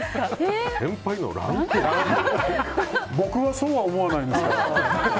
僕はそうは思わないですけど。